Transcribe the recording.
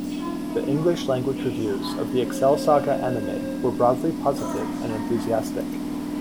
The English-language reviews of the "Excel Saga" anime were broadly positive and enthusiastic.